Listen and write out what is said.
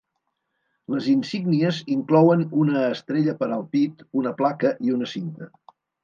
Les insígnies inclouen una estrella per al pit, una placa i una cinta.